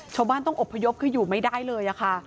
ชาวบ้านต้องอบพยพคืออยู่ไม่ได้เลยค่ะ